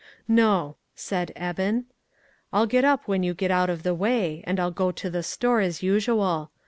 "No," said Eben, "I'll get up when you get out of the way, and I'll go to the store as usual.